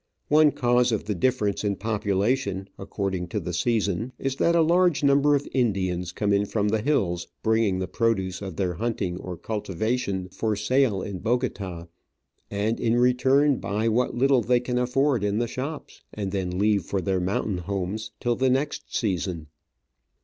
One cause of the difference in population according to the season is that a large number of Indians come in from the hills bringing the produce of their hunting or cultivation for sale in Bogota, and in return buy what little they can afford in the shops, and then leave for their mountain homes till the next season.